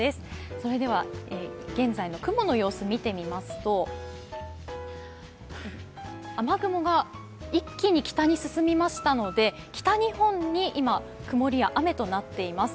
それでは現在の雲の様子を見てみますと、雨雲が一気に北に進みましたので北日本に今、曇りや雨となっています。